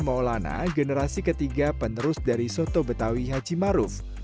maulana generasi ketiga penerus dari soto betawi haji maruf